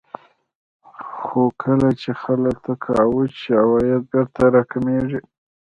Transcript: خو کله چې خلک تقاعد شي عواید بېرته راکمېږي